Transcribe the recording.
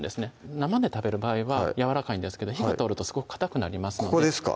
生で食べる場合はやわらかいんですけど火が通るとかたくなりますのでここですか？